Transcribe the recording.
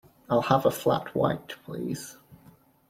I'll have a flat white please.